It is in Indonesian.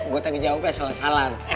gue tanya jawabnya salah salah